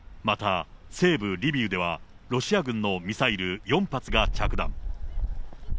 また、西部リビウでは、ロシア軍のミサイル４発が着弾。